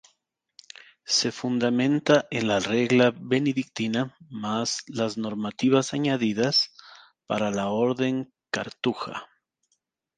Se fundamenta en la regla benedictina más las normativas añadidas para la orden cartuja.